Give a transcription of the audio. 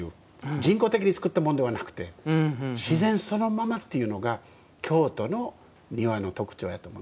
人工的に作ったものではなくて自然そのままというのが京都の庭の特徴やと思う。